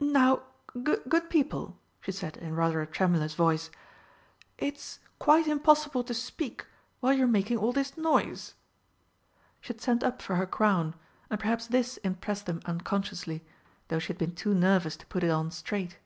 "Now, good people!" she said in rather a tremulous voice, "it's quite impossible to speak while you're making all this noise!" She had sent up for her crown, and perhaps this impressed them unconsciously, though she had been too nervous to put it on straight.